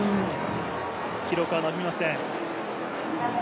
記録は伸びません。